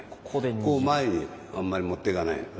こう前にあんまり持ってかないように。